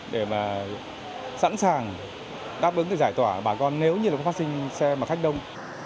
để mà sẵn sàng đáp ứng cái giải tỏa bà con nếu như là có phát sinh xe mà khách đông